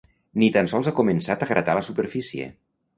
Ni tan sols ha començat a gratar la superfície.